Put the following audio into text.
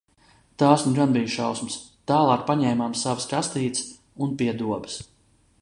Tās nu gan bija šausmas. Tālāk paņēmām savas kastītes un pie dobes.